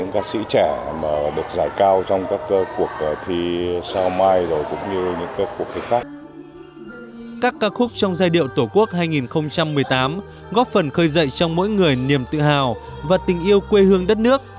các ca khúc trong giai điệu tổ quốc hai nghìn một mươi tám góp phần khơi dậy trong mỗi người niềm tự hào và tình yêu quê hương đất nước